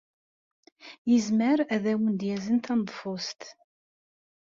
Yezmer ad awen-d-yazen taneḍfust?